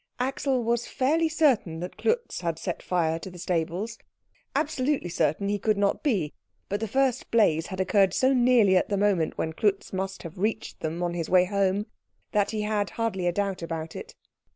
Axel was fairly certain that Klutz had set fire to the stables. Absolutely certain he could not be, but the first blaze had occurred so nearly at the moment when Klutz must have reached them on his way home, that he had hardly a doubt about it.